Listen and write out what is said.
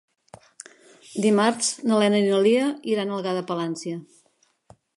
Dimarts na Lena i na Lia iran a Algar de Palància.